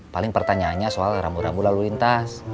paling pertanyaannya soal rambu rambu lalu lintas